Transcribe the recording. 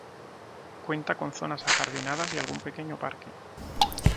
Cuenta con zonas ajardinadas y algún pequeño parque.